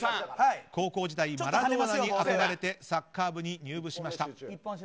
高校時代、マラドーナに憧れてサッカー部に入部しました。